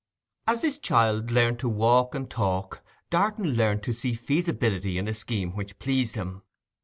As this child learnt to walk and talk Darton learnt to see feasibility in a scheme which pleased him.